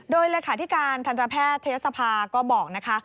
โดยราคาทิการคันภาพแพทย์ทัยสภาพก็บอกนะคะ